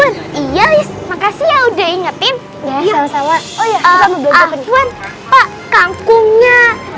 ah iya makasih ya udah ingetin ya sama sama oh ya kamu gede gelekan pak kangkungnya